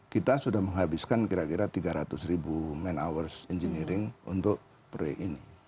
kita sudah menghabiskan kira kira tiga ratus ribu manhours engineering untuk proyek ini